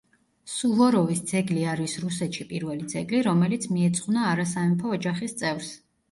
სუვოროვის ძეგლი არის რუსეთში პირველი ძეგლი, რომელიც მიეძღვნა არასამეფო ოჯახის წევრს.